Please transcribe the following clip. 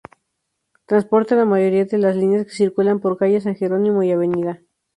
Transporte: La mayoría de las líneas que circulan por calle San Jerónimo y Av.